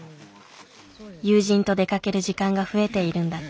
友人と出かける時間が増えているんだって。